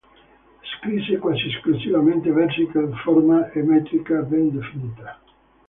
Scrisse quasi esclusivamente versi con forma e metrica ben definita.